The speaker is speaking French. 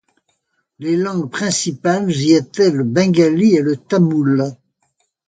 Les langues principales y étaient le bengali et le tamoul.